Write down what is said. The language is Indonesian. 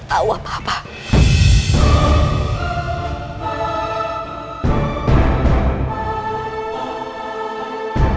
kita harus temukan dia